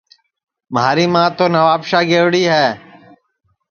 مھاری ماں تو نوابشاہ گئیوڑِ ہے